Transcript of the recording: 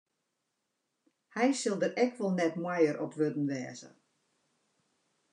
Hy sil der ek wol net moaier op wurden wêze.